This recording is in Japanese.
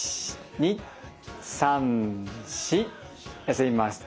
休みます。